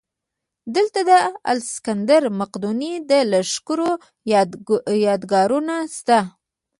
دلته د الکسندر مقدوني د لښکرو یادګارونه شته